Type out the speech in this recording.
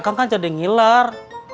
kakak kan jadi ngiler